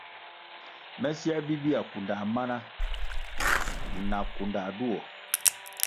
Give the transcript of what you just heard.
Me siē bibihya, kundā mana na na kunda duo.